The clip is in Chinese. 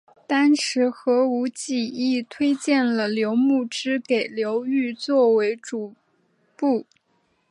当时何无忌亦推荐了刘穆之给刘裕作为主簿。